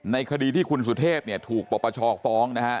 ในคดีที่คุณสุเทพฯถูกประประชอบฟ้องนะฮะ